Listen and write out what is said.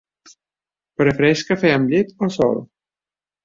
Prefereix cafè amb llet o sol?